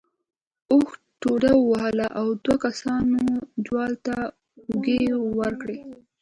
اوښ ټوډه ووهله او دوو کسانو جوال ته اوږې ورکړې.